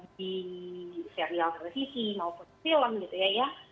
di serial televisi maupun film gitu ya